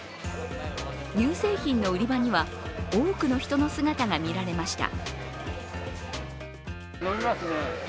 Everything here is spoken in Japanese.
乳製品の売り場には、多くの人の姿が見られました。